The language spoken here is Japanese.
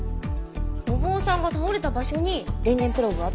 お坊さんが倒れた場所に電源プラグがあったとか？